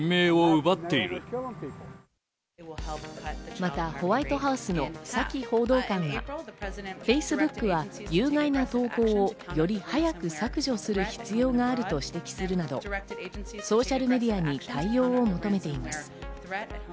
またホワイトハウスのサキ報道官はＦａｃｅｂｏｏｋは有害な投稿をより早く削除する必要があると指摘するなどソーシャルメディアに対応を求めています。